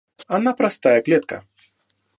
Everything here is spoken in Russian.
Она простая клетка.